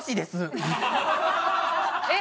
えっ？